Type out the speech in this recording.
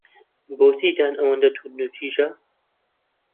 بۆچی دان ئەوەندە توندوتیژە؟